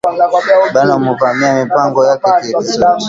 Bana muvamia mpango yake ya kisote